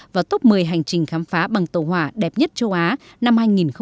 và tốc một mươi hành trình khám phá bằng tàu hỏa đẹp nhất châu á năm hai nghìn một mươi tám